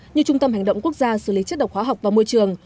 như trung tâm hành động quốc gia xử lý chất độc hóa học và môi trường